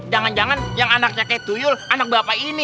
jangan jangan yang anaknya kayak tuyul anak bapak ini